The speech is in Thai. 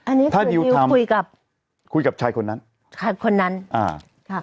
อันนี้ถ้าดิวคุยกับคุยกับชายคนนั้นชายคนนั้นอ่าค่ะ